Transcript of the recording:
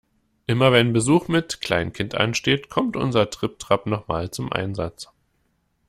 Immer wenn Besuch mit Kleinkind ansteht, kommt unser Tripp-Trapp noch mal zum Einsatz.